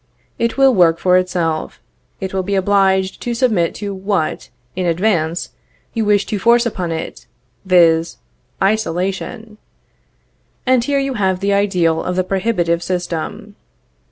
It will work for itself. It will be obliged to submit to what, in advance, you wish to force upon it, viz., Isolation. And here you have the ideal of the prohibitive system.